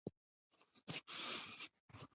،ورځ، بجې په کې ذکر کړى دي